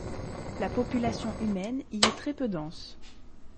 La population humaine y est très peu dense.